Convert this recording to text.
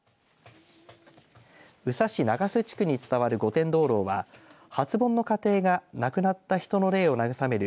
宇佐市長洲地区に伝わる御殿灯ろうは初盆の家庭が亡くなった人の霊を慰める